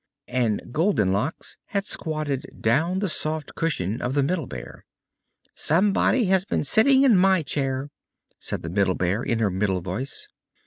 And Goldenlocks had squatted down the soft cushion of the Middle Bear. "SOMEBODY HAS BEEN SITTING IN MY CHAIR!" said the Middle Bear, in her middle voice.